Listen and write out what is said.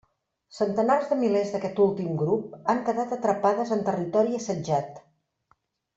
Centenars de milers d'aquest últim grup han quedat atrapades en territori assetjat.